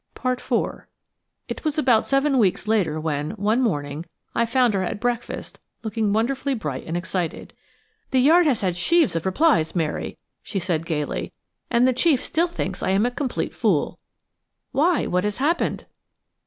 4 IT was about seven weeks later when, one morning, I found her at breakfast looking wonderfully bright and excited. "The Yard has had sheaves of replies, Mary," she said gaily, "and the chief still thinks I am a complete fool." "Why, what has happened?"